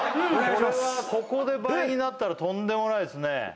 これはここで倍になったらとんでもないですね